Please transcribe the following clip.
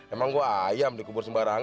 emang gue ayam dikubur sembarangan